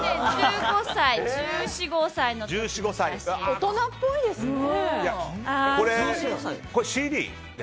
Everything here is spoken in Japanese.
大人っぽいですね。